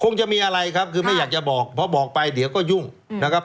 คงจะมีอะไรครับคือไม่อยากจะบอกเพราะบอกไปเดี๋ยวก็ยุ่งนะครับ